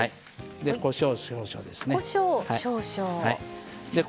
こしょう少々ですね。